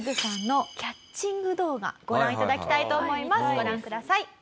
ご覧ください。